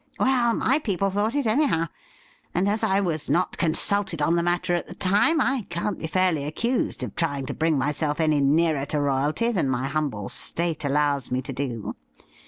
'Well, my people thought it, anyhow; and as I was not consulted on the matter at the time, I can't be fairly accused of trying to bring myself any nearer to royalty than my humble state allows me to do.